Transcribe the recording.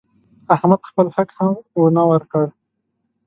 احمد خپل حق هم ونه ورکړ.